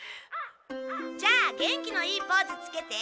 じゃあ元気のいいポーズつけて。